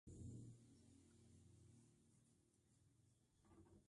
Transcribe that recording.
Ŋmáá wòrzô.